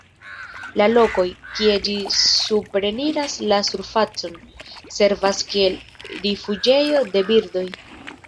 La lokoj, kie ĝi supreniras la surfacon, servas kiel rifuĝejo de birdoj.